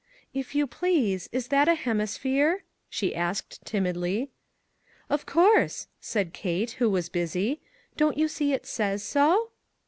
" If you please, is that a hemisphere? " she asked timidly. "Of course," said Kate, who was busy; " don't you see it says so